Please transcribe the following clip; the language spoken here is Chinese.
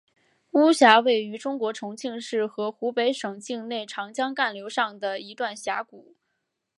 巫峡位于中国重庆市和湖北省境内长江干流上的一段峡谷。